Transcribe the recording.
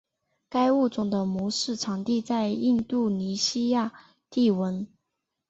该物种的模式产地在印度尼西亚帝汶。